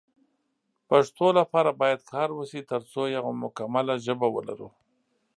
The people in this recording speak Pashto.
پښتو لپاره باید کار وشی ترڅو یو مکمله ژبه ولرو